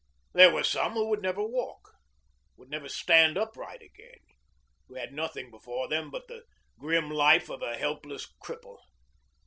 There were some who would never walk, would never stand upright again, who had nothing before them but the grim life of a helpless cripple.